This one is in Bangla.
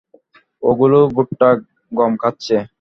ওগুলো ভুট্টা, গম খাচ্ছে।